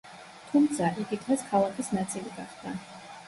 თუმცა, იგი დღეს ქალაქის ნაწილი გახდა.